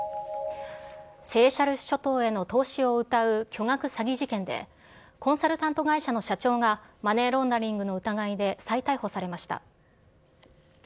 諸島への投資をうたう巨額詐欺事件で、コンサルタント会社の社長が、マネーロンダリングの疑いで再逮捕されました。